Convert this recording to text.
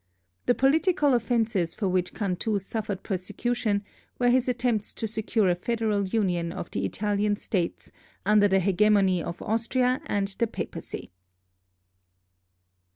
The political offenses for which Cantù suffered persecution were his attempts to secure a federal union of the Italian States under the hegemony of Austria and the Papacy.